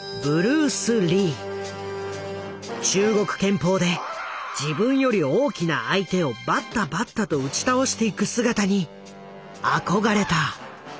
中国拳法で自分より大きな相手をバッタバッタと打ち倒していく姿に憧れた。